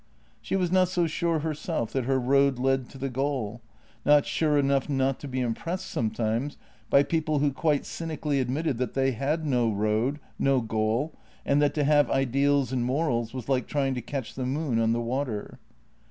She was not so sure herself that her road led to the goal — not sure enough not to be im pressed sometimes by people who quite cynically admitted that they had no road, no goal, and that to have ideals and morals was like trying to catch the moon on the water.